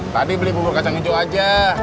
tadi beli bubur kacang hijau aja